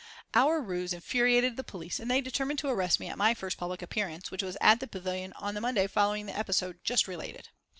Our ruse infuriated the police, and they determined to arrest me at my first public appearance, which was at the Pavillion on the Monday following the episode just related.